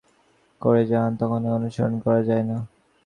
যাহা কেহ কোনকালেই উপলব্ধি করে নাই, তাহা কখনই অনুকরণ করা যায় না।